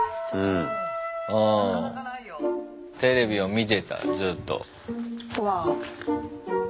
テレビを見てたずっと。